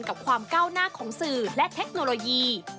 กับความก้าวหน้าของสื่อและเทคโนโลยี